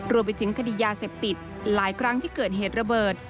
รวมไปถึงคดียาเสพติดหลายครั้งที่เกิดเหตุระเบิด